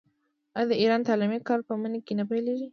آیا د ایران تعلیمي کال په مني کې نه پیلیږي؟